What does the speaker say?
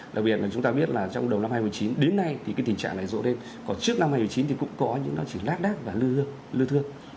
đặc biệt là chúng ta biết là trong đầu năm hai nghìn một mươi chín đến nay thì cái tình trạng này rộn lên còn trước năm hai nghìn một mươi chín thì cũng có những nói chuyện lát đát và lư thương